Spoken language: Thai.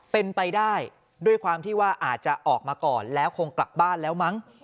เป็นไปได้ด้วยความที่ว่าอาจจะออกมาก่อนแล้วคงกลับบ้านแล้วมั้ง